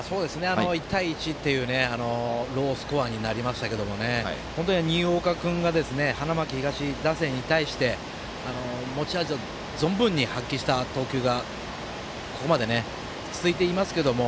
１対１というロースコアになりましたけれども本当に新岡君が花巻東打線に対して持ち味を存分に発揮した投球がここまで、続いていますけど。